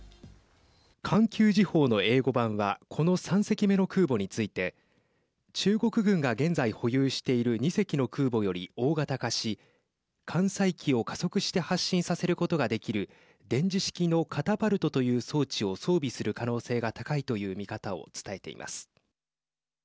環球時報の英語版はこの３隻目の空母について中国軍が現在保有している２隻の空母より大型化し艦載機を加速して発進させることができる電磁式のカタパルトという装置を装備する可能性が高いという見方を伝えています。